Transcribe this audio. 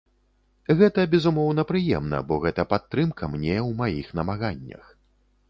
Гэта, безумоўна прыемна, бо гэта падтрымка мне ў маіх намаганнях.